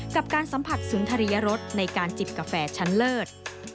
กับการสัมผัสสุนทรียรสในการจิบกาแฟชั้นเลิศ